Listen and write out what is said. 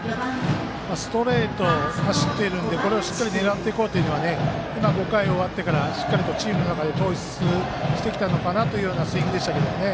ストレート走っているのでこれをしっかり狙っていこうというのは今、５回終わってからしっかりチームの中で統一してきたのかなというようなスイングでしたけどね。